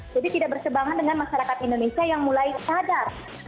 jadi tidak bersebangan dengan masyarakat indonesia yang mulai sadar